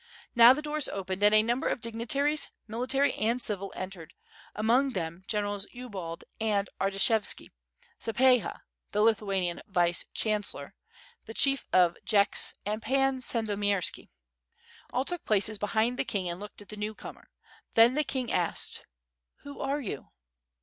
Now the doors opened and a number of digni taries, military and civil, entered; among them Generals ITjald and Artishevsi, Sapieha, the Lithuanian Vice Chancellor, WITH FIRE A AD 8W0RD. 795 the Chief of Jechyts and Pan Sandomierski. All took places buliind the king and looked at the newcomer. Then the kin^ asked: '*Who are you?